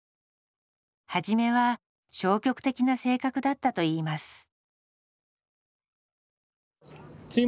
初めは消極的な性格だったといいます。